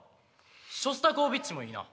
ショスタコーヴィッチもいいな。